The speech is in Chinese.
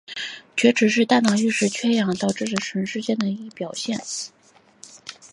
晕厥指的是大脑一时性缺血而导致短时间内丧失自主行动意识的表现。